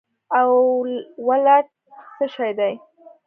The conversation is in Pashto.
او ولټ څه شي دي